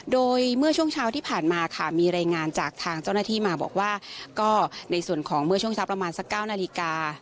โดยเมื่อช่วงเช้าที่ผ่านมาค่ะมีรายงานจากทางเจ้าหน้าที่มาบอกว่าก็ในส่วนของเมื่อช่วงเช้าประมาณสัก๙นาฬิกา